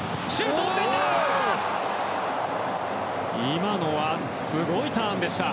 今のはすごいターンでした。